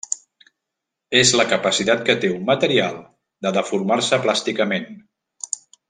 És la capacitat que té un material de deformar-se plàsticament.